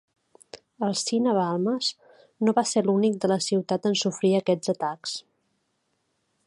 El Cine Balmes no va ser l'únic de la ciutat en sofrir aquests atacs.